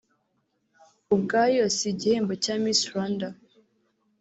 ubwayo si igihembo cya Miss Rwanda